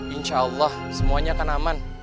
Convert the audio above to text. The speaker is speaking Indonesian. insya allah semuanya akan aman